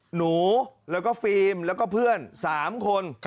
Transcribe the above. หนูแล้วก็ฟิล์มแล้วก็เพื่อน๓คน